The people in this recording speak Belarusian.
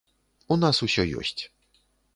У нас усё ёсць.